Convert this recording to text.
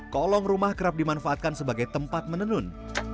kolong rumah kerap dimanfaatkan sebagai tempat menenun